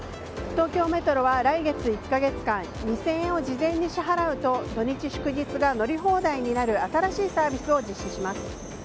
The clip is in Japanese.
東京メトロは来月１か月間２０００円を事前に支払うと土日祝日が乗り放題になる新しいサービスを実施します。